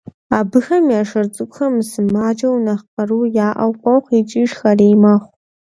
Абыхэм я шыр цӀыкӀухэр мысымаджэу, нэхъ къару яӀэу къохъу икӀи шхэрей мэхъу.